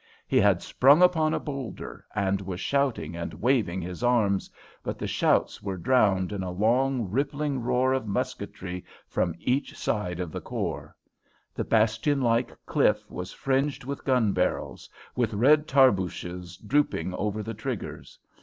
He had sprung upon a boulder, and was shouting and waving his arms, but the shouts were drowned in a long, rippling roar of musketry from each side of the khor. The bastion like cliff was fringed with gun barrels, with red tarbooshes drooping over the triggers.